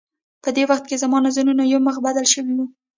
په دې وخت کې زما نظر یو مخ بدل شوی و.